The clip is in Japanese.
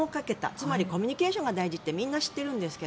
つまりコミュニケーションが大事ってみんな知っていますが